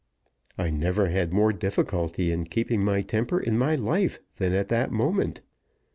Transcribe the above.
I never had more difficulty in keeping my temper in my life than at that moment.